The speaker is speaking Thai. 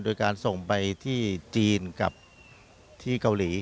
โดยการส่งไปที่จีนกับที่เกาหลี